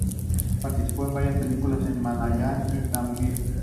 Participó en varias películas en malayalam y tamil.